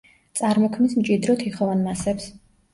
წარმოქმნის მჭიდრო თიხოვან მასებს.